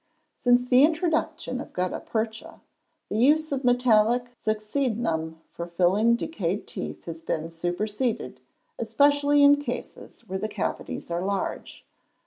Since the introduction of gutta percha, the use of metallic succedaneum for filling decayed teeth has been superseded, especially in cases where the cavities are large.